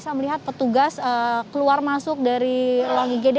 kita bisa melihat petugas keluar masuk dari logi igd